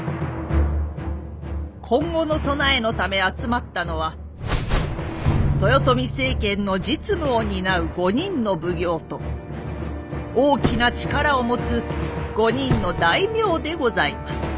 今後の備えのため集まったのは豊臣政権の実務を担う５人の奉行と大きな力を持つ５人の大名でございます。